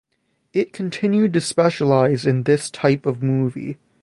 It continued to specialize in this type of movie.